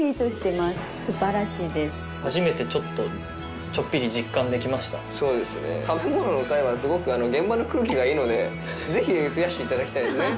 初めてちょっと食べ物の回はすごく現場の空気がいいのでぜひ増やして頂きたいですね。